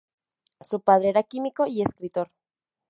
Su padre era químico y escritor.